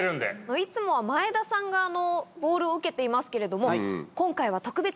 いつもは前田さんがボールを受けていますけれども。